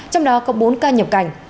trong đó có bốn ca nhập cảnh